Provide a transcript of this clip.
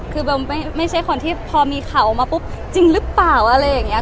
คือเบลไม่ใช่คนที่พอมีข่าวออกมาปุ๊บจริงหรือเปล่าอะไรอย่างนี้